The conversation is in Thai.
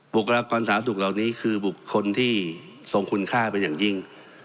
คลากรสาธารณสุขเหล่านี้คือบุคคลที่ทรงคุณค่าเป็นอย่างยิ่ง